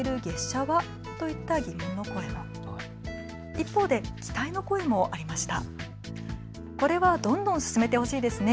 一方で期待の声もありました。